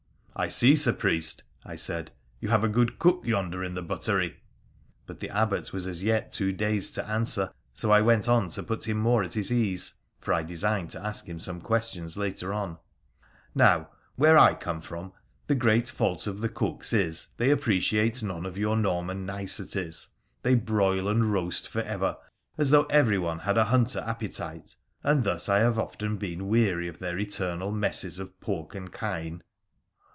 ' I see, Sir Priest,' I said, ' you have a good cook yonder in the buttery,' but the Abbot was as yet too dazed to answer, so I went on to put him more at his ease (for I designed to ask him some questions later on), ' now, where I come from, the great fault of the cooks is, they appreciate none of your Norman niceties — they broil and roast for ever, as though everyone had a hunter appetite, and thus I have often been weary of their eternal messes of pork and kine.'